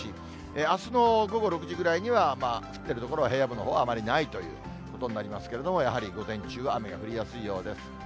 あすの午後６時ぐらいには、降ってる所は平野部のほうはあまりないということになりますけれども、やはり午前中は雨が降りやすいようです。